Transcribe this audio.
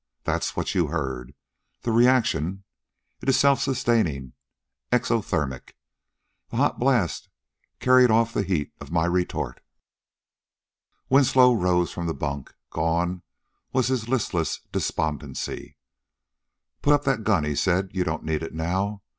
That's what you heard the reaction. It it self sustaining, exothermic. That hot blast carried off the heat of my retort." Winslow rose from the bunk. Gone was his listless despondency. "Put up that gun," he said: "you don't need it now.